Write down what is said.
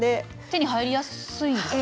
手に入りやすいですか？